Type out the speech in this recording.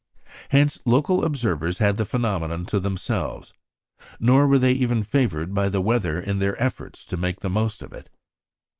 Hence local observers had the phenomenon to themselves; nor were they even favoured by the weather in their efforts to make the most of it.